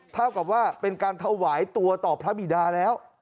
เท่ากับว่าเป็นการถวายตัวต่อพระบิดาแล้ว